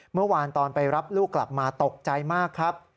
เมื่อวานตอนไปรับลูกกลับมาตกใจมากครับ